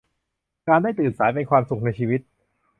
การได้ตื่นสายเป็นความสุขในชีวิต